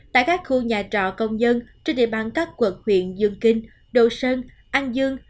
tại các khu nhà trọ công nhân trên địa bàn các quận huyện dương kinh đồ sơn an dương